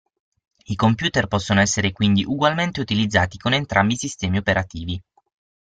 I computer possono quindi essere ugualmente utilizzati con entrambi i sistemi operativi.